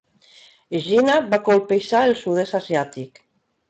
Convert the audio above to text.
Jeana va colpejar el sud-est asiàtic.